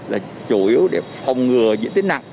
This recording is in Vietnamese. là chủ yếu để phòng ngừa diễn tích nặng